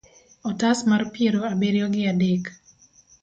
otas mar piero abiriyo gi adek